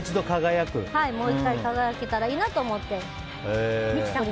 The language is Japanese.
もう１回輝けたらいいなと思って。